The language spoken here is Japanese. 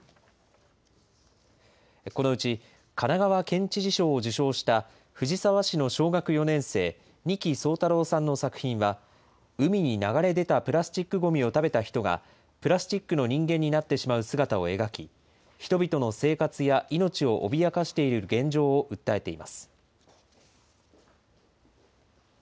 このうち、神奈川県知事賞を受賞した藤沢市の小学４年生、仁木聡太郎さんの作品は、海に流れ出たプラスチックごみを食べた人がプラスチックの人間になってしまう姿を描き、人々の生活や命を脅かしている現状を訴えています。